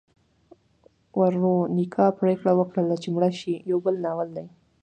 ورونیکا پریکړه وکړه چې مړه شي یو بل ناول دی.